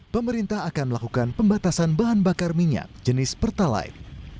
pemerintah akan melakukan pembatasan bahan bakar minyak jenis pertalite